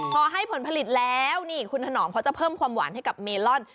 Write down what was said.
พอให้ผลผลิตแล้วนี่คุณถนอมเขาจะเพิ่มความหวานให้กับเมลอน